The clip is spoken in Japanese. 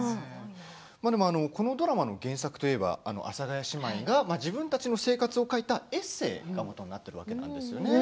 このドラマの原作といえば阿佐ヶ谷姉妹が自分たちの生活を書いたエッセーがもとになっているわけですよね。